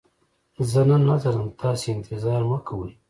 زه نن نه درځم، تاسې انتظار مکوئ!